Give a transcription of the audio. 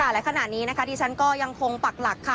และขณะนี้ที่ฉันก็ยังคงปักหลัก